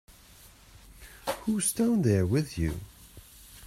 Who's down there with you?